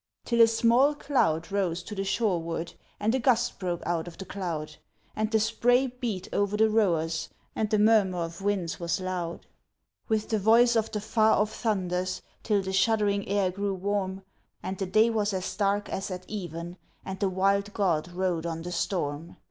Till a small cloud rose to the shoreward, and a gust broke out of the cloud, And the spray beat over the rowers, and the murmur of winds was loud, With the voice of the far off thunders, till the shuddering air grew warm, And the day was as dark as at even, and the wild god rode on the storm.